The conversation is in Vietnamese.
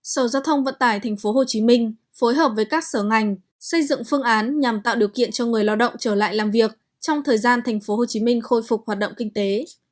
sở giao thông vận tải thành phố hồ chí minh phối hợp với các sở ngành xây dựng phương án nhằm tạo điều kiện cho người lao động trở lại làm việc trong thời gian thành phố hồ chí minh khôi phục hoạt động kinh tế